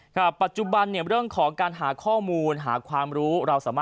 คุณสินทะนันสวัสดีครับ